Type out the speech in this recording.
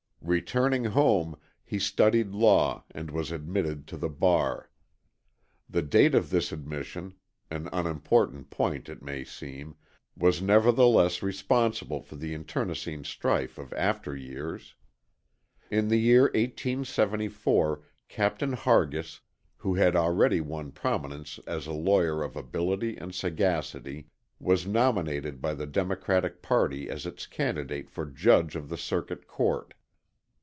Returning home, he studied law and was admitted to the bar. The date of this admission, an unimportant point it may seem, was nevertheless responsible for the internecine strife of after years. In the year 1874, Captain Hargis, who had already won prominence as a lawyer of ability and sagacity, was nominated by the democratic party as its candidate for judge of the circuit court.